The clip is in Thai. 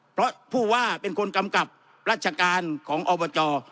เพราะผู้ว่าเป็นคนกำกับราชการของอบจ